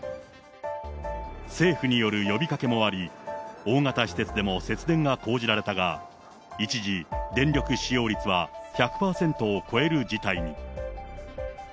政府による呼びかけもあり、大型施設でも節電が講じられたが、一時、電力使用率は１００％を超える事態に。